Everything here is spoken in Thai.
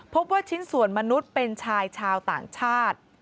พบว่าชิ้นส่วนมนุษย์เป็นชายชาวต่างชาติ